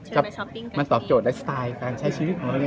เชิญไปมาตอบโจทย์ได้สไตล์ประมาณใช้ชีวิตของเราอันนี้